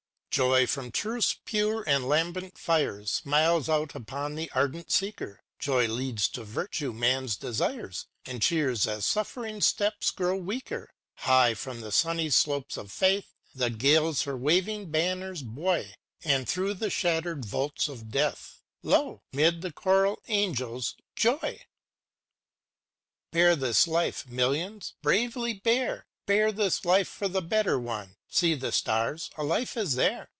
Joy from Truth's pure and lambent fires. Smiles out upon the ardent seeker; Joy leads to virtue man's desires. And cheers as Suffering's step grows weaker. High from the sunny slopes of Faith, The gales her waving bknners buoy; And through the shattered vaults of Death, Lo, 'mid the choral Angels â Joy! Chorus â Bear this life, millions, bravely bear â Bear this life for the better one! See the stars ! a life is there.